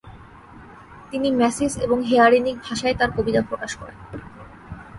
তিনি ম্যাসিস এবং হেয়ারেনিক ভাষায় তার কবিতা প্রকাশ করেন।